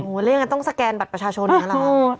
โอ้โฮเรื่องนั้นต้องสแกนบัตรประชาชนิดหนึ่งละ